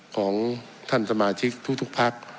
ของท่านสมาชิกทุกพัก